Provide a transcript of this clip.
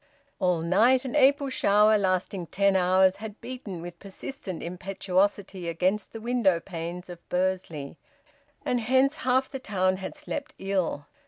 All night an April shower lasting ten hours had beaten with persistent impetuosity against the window panes of Bursley, and hence half the town had slept ill.